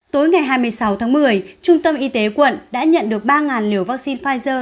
tối ngày hai mươi sáu tháng một mươi trung tâm y tế quận đã nhận được ba liều vaccine pfizer